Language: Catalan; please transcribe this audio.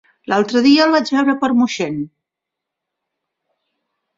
L'altre dia el vaig veure per Moixent.